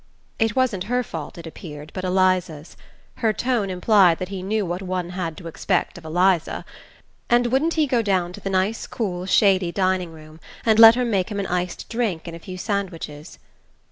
It wasn't her fault, it appeared, but Eliza's: her tone implied that he knew what one had to expect of Eliza ... and wouldn't he go down to the nice cool shady dining room, and let her make him an iced drink and a few sandwiches?